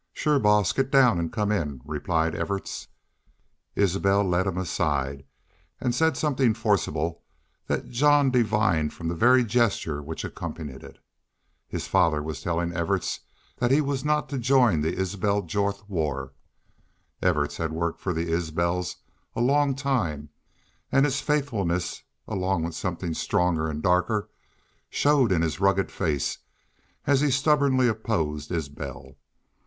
"Shore, boss, git down an' come in," replied Evarts. Isbel led him aside, and said something forcible that Jean divined from the very gesture which accompanied it. His father was telling Evarts that he was not to join in the Isbel Jorth war. Evarts had worked for the Isbels a long time, and his faithfulness, along with something stronger and darker, showed in his rugged face as he stubbornly opposed Isbel.